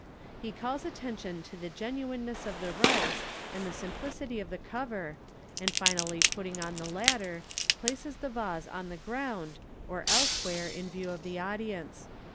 He calls attention to the genuineness of the rice and the simplicity of the cover, and finally putting on the latter, places the vase on the ground, or elsewhere, in view of the audience.